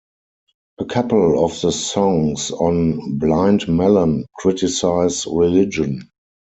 A couple of the songs on "Blind Melon" criticize religion.